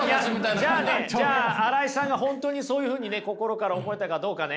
じゃあ新井さんが本当にそういうふうに心から思えたかどうかね